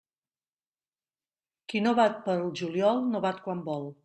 Qui no bat pel juliol, no bat quan vol.